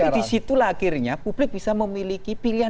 tapi disitu lah akhirnya publik bisa memiliki pilihan pilihan